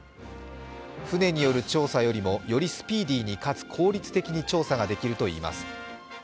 船による調査よりも、よりスピーディーにかつ効率的に調査ができるといいます。